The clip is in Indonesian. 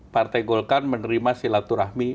partai golkar menerima silaturahmi